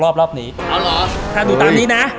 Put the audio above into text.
แปดถ้วย